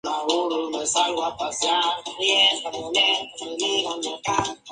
Y tras recibir su licenciatura, comenzó trabajando como profesora.